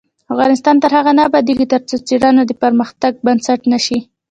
افغانستان تر هغو نه ابادیږي، ترڅو څیړنه د پرمختګ بنسټ نشي.